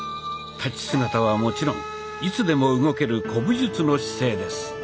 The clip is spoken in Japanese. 立ち姿はもちろんいつでも動ける古武術の姿勢です。